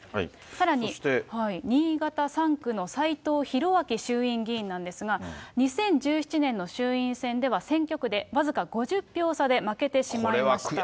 さらに新潟３区の斎藤洋明衆院議員なんですが、２０１７年の衆院選では、選挙区で僅か５０票差で負けてしまいました。